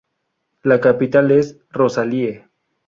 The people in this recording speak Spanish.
La capital es Rosalie.